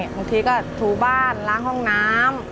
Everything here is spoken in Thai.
บางทีก็ถูบ้านล้างห้องน้ำ